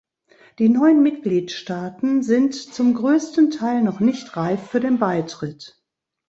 Die neuen Mitgliedstaaten sind zum größten Teil noch nicht reif für den Beitritt.